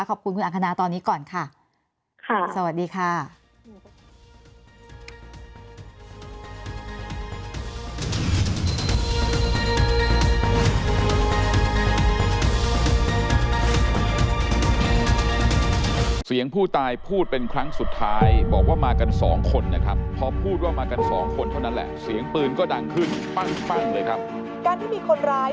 ขอบคุณคุณอังคณาตอนนี้ก่อนค่ะ